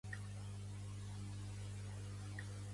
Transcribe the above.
Quina aparença tenen les agaves?